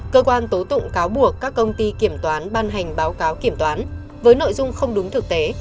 cơ quan tố tụng cáo buộc các công ty kiểm toán ban hành báo cáo kiểm toán với nội dung không đúng thực tế